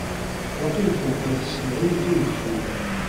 Waqil tebda tsemhuyt ugeffur.